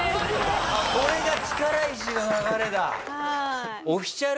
これが力石の流れだ。